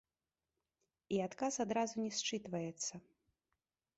І адказ адразу не счытваецца!